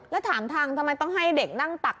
แล้วถามทางทำไมต้องให้เด็กนั่งตัก